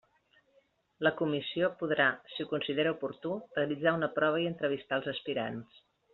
La comissió podrà, si ho considera oportú, realitzar una prova i entrevistar els aspirants.